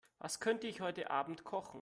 Was könnte ich heute Abend kochen?